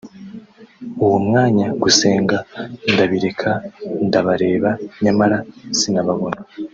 uwo mwanya gusenga ndabireka ndabareba nyamara sinababona